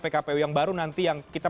pkpu yang baru nanti yang kita